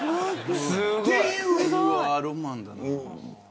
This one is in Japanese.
ロマンだな。